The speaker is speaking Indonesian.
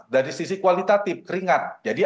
dari sisi kualitatif keringat jadi